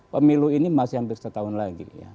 pemilu ini masih hampir setahun lagi